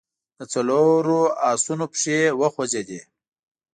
د څلورو آسونو پښې وخوځېدې.